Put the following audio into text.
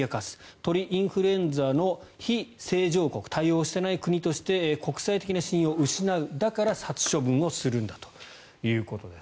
鳥インフルエンザの非清浄国対応してない国として国際的な信用を失うだから殺処分をするんだということです。